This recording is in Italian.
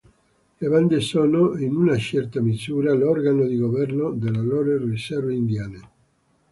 Le bande sono, in una certa misura, l'organo di governo delle loro riserve indiane.